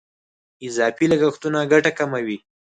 اضافي لګښتونه ګټه کموي.